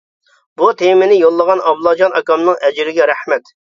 بۇ تېمىنى يوللىغان ئابلاجان ئاكامنىڭ ئەجرىگە رەھمەت.